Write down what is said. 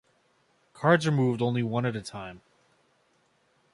Cards are moved only one at a time.